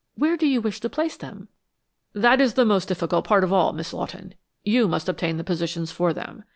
Where do you wish to place them?" "That is the most difficult part of all, Miss Lawton. You must obtain the positions for them.